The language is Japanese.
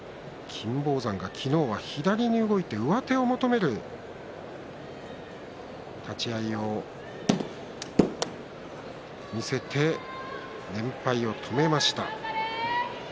金峰山が昨日は左に動いて上手を求める立ち合いを見せて連敗を止めました。